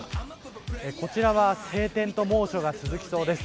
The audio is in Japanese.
こちらは晴天と猛暑が続きそうです。